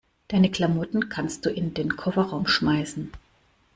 Deine Klamotten kannst du in den Kofferraum schmeißen.